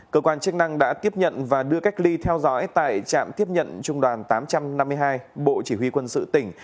cơ quan chức năng đã tiếp nhận và đưa cách ly theo dõi tại trạm tiếp nhận trung đoàn tám trăm năm mươi hai bộ chỉ huy quân sự tỉnh